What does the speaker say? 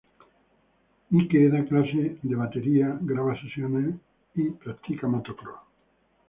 Mike da clases de batería, graba sesiones de batería y practica motocross.